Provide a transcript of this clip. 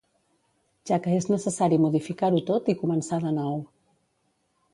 Ja que és necessari modificar-ho tot i començar de nou.